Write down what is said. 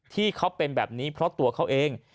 ที่เขาเป็นแบบนี้เพราะตัวเขาเอง